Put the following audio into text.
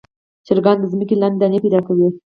چرګان د ځمکې لاندې دانې پیدا کوي.